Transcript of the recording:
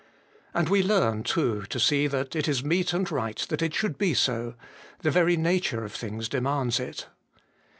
And we learn, too, to see that it is meet and right that it should be so : the very nature of things demands it.